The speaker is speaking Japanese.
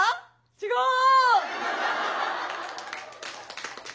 違う！